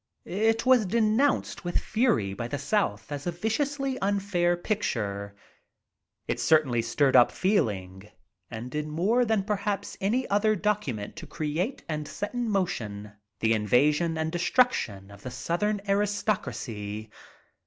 It was denounced with fury by the South as a viciously unfair picture. It certainly stirred up feeling, and did more than perhaps any other document to create and set in motion the invasion and destruction of the southern aristocracy.